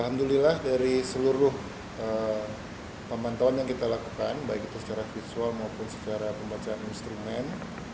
alhamdulillah dari seluruh pemantauan yang kita lakukan baik itu secara visual maupun secara pembacaan instrumen